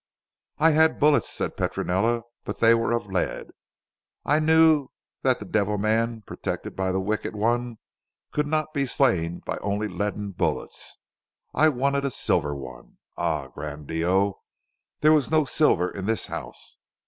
"I had bullets," said Petronella, "but they were of lead. I knew that the devil man protected by the Wicked One, could not be slain by only a leaden bullet. I wanted a silver one. Ah Gran' Dio! there was no silver in this house.